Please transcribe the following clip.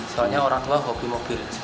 soalnya orang tua hobi mobil